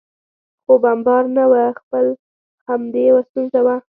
خو بمبار نه و، خپله همدې یو ستونزه وه.